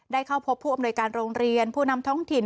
เข้าพบผู้อำนวยการโรงเรียนผู้นำท้องถิ่น